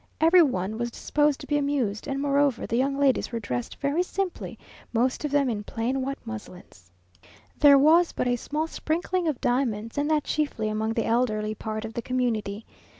Every one was disposed to be amused, and, moreover, the young ladies were dressed very simply; most of them in plain white muslins. There was but a small sprinkling of diamonds, and that chiefly among the elderly part of the community.